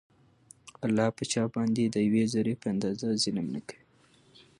الله په چا باندي د يوې ذري په اندازه ظلم نکوي